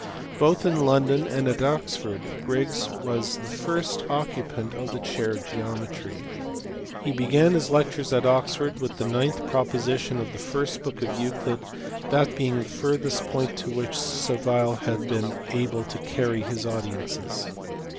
Both in London and at Oxford Briggs was the first occupant of the chair of geometry. He began his lectures at Oxford with the ninth proposition of the first book of Euclid : that being the furthest point to which Savile had been able to carry his audiences.